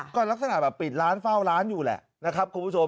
ก็ลักษณะแบบปิดร้านเฝ้าร้านอยู่แหละนะครับคุณผู้ชม